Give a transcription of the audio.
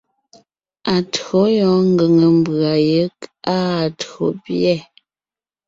Atÿǒ yɔɔn ngʉ̀ŋe mbʉ̀a yeg áa tÿǒ pîɛ.